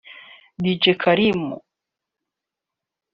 Dj Karim